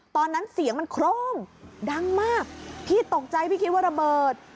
ตอนนั้นเสียงมันโครมดังมากพี่ตกใจพี่คิดว่าระเบิด